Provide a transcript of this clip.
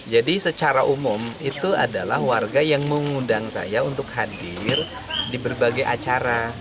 jadi secara umum itu adalah warga yang mengundang saya untuk hadir di berbagai acara